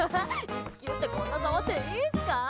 肉球ってこんな触っていいんすかぁ。